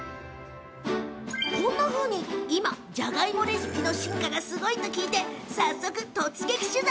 こんなふうに今じゃがいもレシピの進化がすごいと聞いて突撃取材。